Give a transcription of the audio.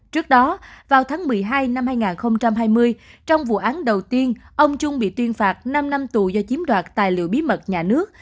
trước đó vào tháng một mươi hai năm hai nghìn hai mươi trong vụ án đầu tiên ông trung bị tuyên phạt năm năm tù do chiếm đoạt tài liệu bí mật nhà nước